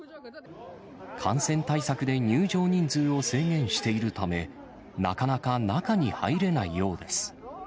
感染対策で入場人数を制限しているため、なかなか中に入れないようです。